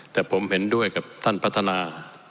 แต่ผมเห็นด้วยกับท่านพัฒนา